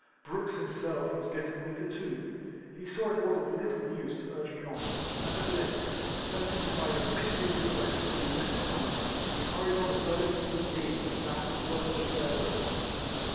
Brooks himself RIFLEMAN HARRIS. 217 was getting weaker too; he saw it was of little use to urge me on, and at length, assenting to my repeated request to be left behind, he hurried on as well as he was able without a word of farewell.